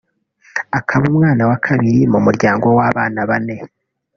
akaba umwana wa kabiri mu muryango w’abana bane